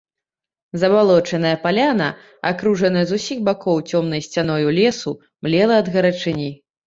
Забалочаная паляна, акружаная з усіх бакоў цёмнай сцяною лесу, млела ад гарачыні.